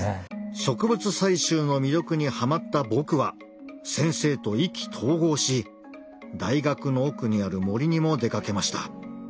植物採集の魅力にハマった僕は先生と意気投合し大学の奥にある森にも出かけました。